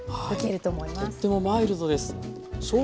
とってもマイルドです。